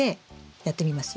やってみますよ。